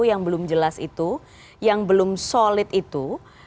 yang belum jelas itu yang belum solid itu